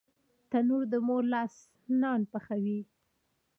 تنور د مور لاس نان پخوي